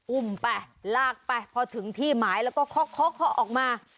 อุ้มไปลากไปพอถึงที่หมายแล้วก็เคาะออกมา